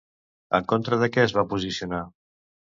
En contra de què es va posicionar?